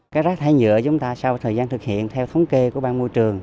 cái rác thải nhựa chúng ta sau thời gian thực hiện theo thống kê của ban môi trường